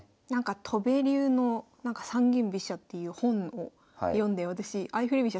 戸辺流の三間飛車っていう本を読んで私相振り飛車